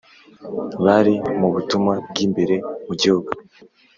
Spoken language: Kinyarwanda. bari mu butumwa bw’imbere mu gihugu